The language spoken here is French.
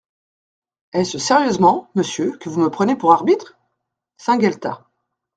Est-ce sérieusement, monsieur, que vous me prenez pour arbitre ? SAINT-GUELTAS.